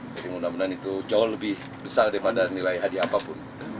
jadi mudah mudahan itu jauh lebih besar daripada nilai hadiah apapun